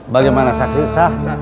bagaimana saksi sah